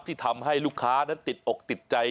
ที่ทำให้ลูกค้านั้นติดอกติดใจ